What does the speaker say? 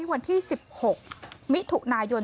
วันที่๑๖มิถุนายน